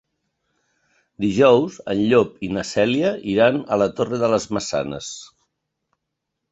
Dijous en Llop i na Cèlia iran a la Torre de les Maçanes.